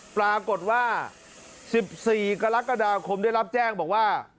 ปรากฏว่า๑๔กรกฎาคมได้รับแจ้งบอกว่า